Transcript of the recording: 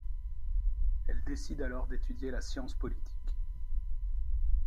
Elle décide alors d'étudier la science politique.